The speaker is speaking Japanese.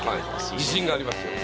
自信がありますよ。